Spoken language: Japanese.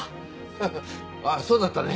ハハッあっそうだったね。